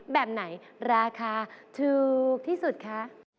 แบบไหนราคาถูกที่สุดคะ